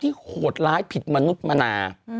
โหดร้ายผิดมนุษย์มนา